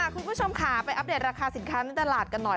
คุณผู้ชมค่ะไปอัปเดตราคาสินค้าในตลาดกันหน่อย